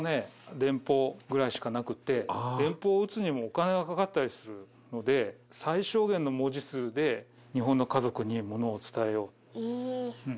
電報ぐらいしかなくて電報を打つにもお金がかかったりするので最小限の文字数で日本の家族にものを伝えようと。